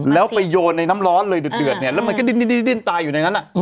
แล้วไปโยนในน้ำร้อนเลยเดือดเนี่ยแล้วมันก็ดิ้นตายอยู่ในนั้น